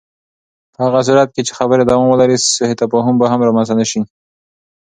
په هغه صورت کې چې خبرې دوام ولري، سوء تفاهم به رامنځته نه شي.